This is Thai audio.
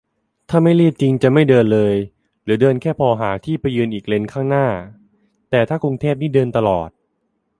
ถ้าไม่รีบจริงจะไม่เดินเลย หรือเดินแค่พอหาที่ไปยืนอีกเลนข้างหน้า แต่ถ้ากรุงเทพนี่เดินตลอด